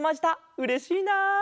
うれしいな！